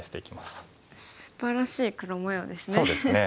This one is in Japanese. すばらしい黒模様ですね。